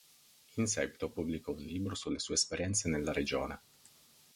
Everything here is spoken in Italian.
In seguito pubblicò un libro sulle sue esperienze nella regione.